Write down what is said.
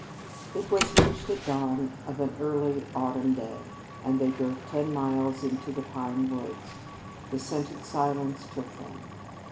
It was reached at dawn of an early autumn day, and they drove ten miles into the pine woods. The scented silence took them.